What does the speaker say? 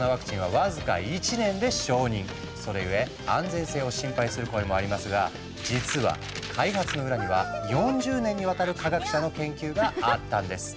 それゆえ安全性を心配する声もありますが実は開発の裏には４０年にわたる科学者の研究があったんです。